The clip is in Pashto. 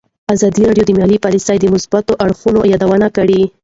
ازادي راډیو د مالي پالیسي د مثبتو اړخونو یادونه کړې.